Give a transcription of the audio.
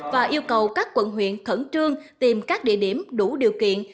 và yêu cầu các quận huyện khẩn trương tìm các địa điểm đủ điều kiện